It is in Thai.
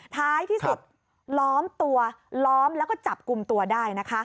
ท้ายที่สุดล้อมตัวล้อมแล้วก็จับกลุ่มตัวได้นะคะ